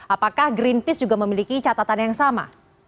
apakah greenpeace juga memiliki catatan yang sama